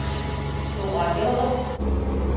-Тыуған йылығыҙ?